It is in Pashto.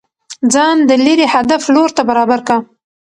ځان د ليري هدف لور ته برابر كه